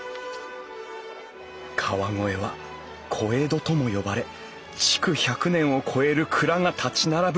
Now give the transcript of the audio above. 川越は小江戸とも呼ばれ築１００年を超える蔵が立ち並ぶ